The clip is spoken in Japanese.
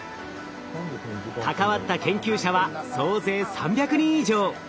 関わった研究者は総勢３００人以上。